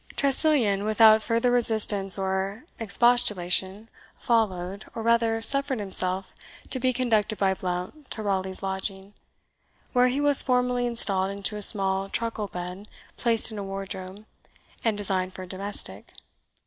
Tressilian, without further resistance or expostulation followed, or rather suffered himself to be conducted by Blount to Raleigh's lodging, where he was formally installed into a small truckle bed placed in a wardrobe, and designed for a domestic.